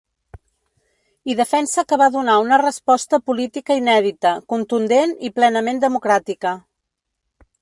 I defensa que va donar una resposta política inèdita, contundent i plenament democràtica.